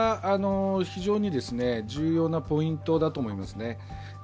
非常に重要なポイントだと思いますね。